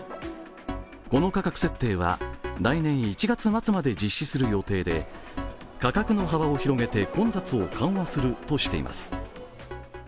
この価格設定は来年１月末まで実施する予定で、価格の幅を広げて混雑を緩和するとしています。